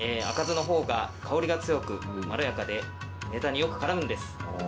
赤酢の方が香りが強くまろやかでネタによく絡むんです。